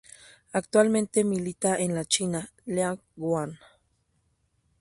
Actualmente milita en la China League One.